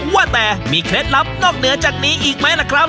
ว่าแต่มีเคล็ดลับนอกเหนือจากนี้อีกไหมล่ะครับ